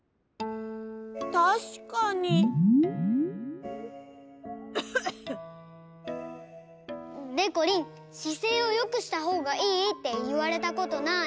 たしかに。でこりんしせいをよくしたほうがいいっていわれたことない？